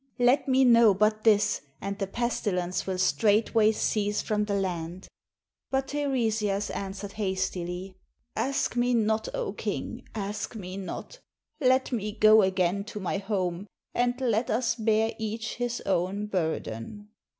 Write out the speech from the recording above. Let me know but this, and the pesti lence will straightway cease from the land." But Teiresias answered hastily, "Ask me not, 0 king, ask me not. Let me go again to my home, and let us bear each his own burden."